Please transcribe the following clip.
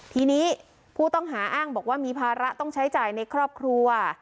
ทีนี้ผู้ต้องหาอ้างบอกว่ามีภาระต้องใช้จ่ายในครอบครัว